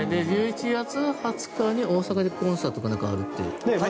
１１月２０日に大阪でコンサートかなんかあるって。